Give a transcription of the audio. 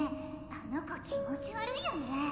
あの子気持ち悪いよね